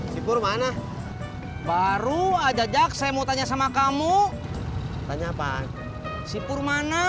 sipur mana baru aja jaksa mau tanya sama kamu tanya apaan sipur mana